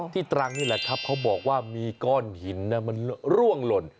ตรังนี่แหละครับเขาบอกว่ามีก้อนหินมันร่วงหล่น